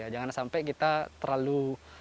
jangan sampai kita terlalu